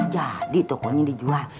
jadi tokonya dijual